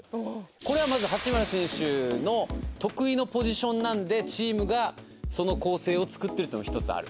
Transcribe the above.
これは、まず、八村選手の得意のポジションなんでチームが、その構成を作ってるっていうのが１つある。